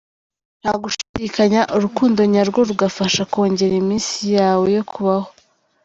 Ntagushidikanya, Urukundo nyarwo rugufasha kongera iminsi yawe yo kubaho.